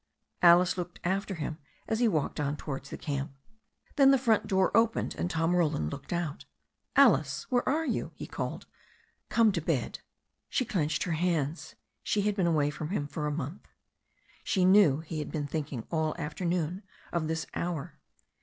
Alice looked after him as he walked on towards the camp. Then the front door opened, and Tom Roland looked out. "Alice, where are you ?" he called. "Come to bed." ' She clenched her hands. She had been away from him for a month. She knew he had been thinking all the after noon of this hour.